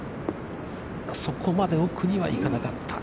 そこまで奥には行かなかった。